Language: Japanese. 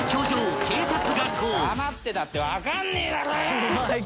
黙ってたって分かんねえだろうよ！